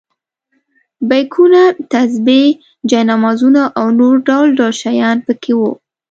بیکونه، تسبیح، جاینمازونه او نور ډول ډول شیان په کې وو.